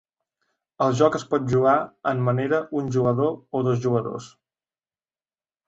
El joc es pot jugar en manera un jugador o dos jugadors.